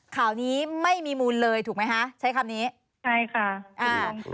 ข่าวนี้ไม่มีมูลเลยถูกไหมคะใช้คำนี้ใช่ค่ะอ่า